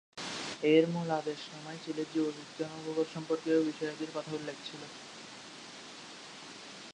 এর মূল আদেশনামায় চিলির জীববিজ্ঞান ও ভূগোল সম্পর্কীয় বিষয়াদির কথা উল্লেখ ছিল।